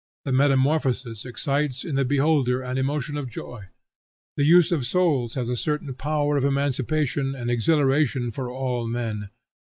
The metamorphosis excites in the beholder an emotion of joy. The use of symbols has a certain power of emancipation and exhilaration for all men.